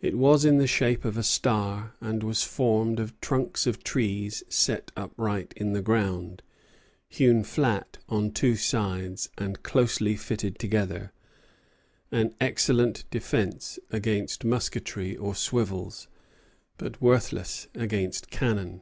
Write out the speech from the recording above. It was in the shape of a star, and was formed of trunks of trees set upright in the ground, hewn flat on two sides, and closely fitted together, an excellent defence against musketry or swivels, but worthless against cannon.